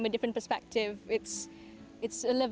melihatnya dari perspektif yang berbeda